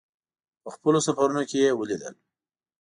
په خپلو سفرونو کې یې ولیدل.